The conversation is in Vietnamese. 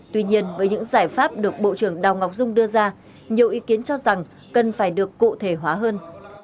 tuy nhiên với những giải pháp được bộ trưởng đào ngọc dung đưa ra nhiều ý kiến cho rằng cần phải được cụ thể hóa hơn